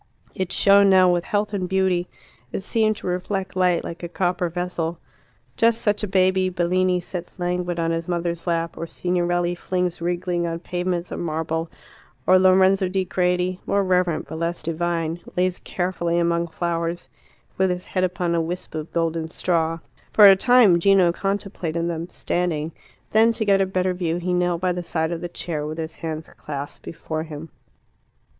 It shone now with health and beauty: it seemed to reflect light, like a copper vessel. Just such a baby Bellini sets languid on his mother's lap, or Signorelli flings wriggling on pavements of marble, or Lorenzo di Credi, more reverent but less divine, lays carefully among flowers, with his head upon a wisp of golden straw. For a time Gino contemplated them standing. Then, to get a better view, he knelt by the side of the chair, with his hands clasped before him.